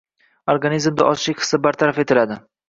Organizmda ochlik hissi bartaraf etiladi